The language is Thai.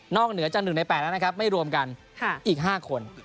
เหนือจาก๑ใน๘แล้วนะครับไม่รวมกันอีก๕คน